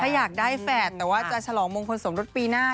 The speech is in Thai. ถ้าอยากได้แฝดแต่ว่าจะฉลองมงคลสมรสปีหน้า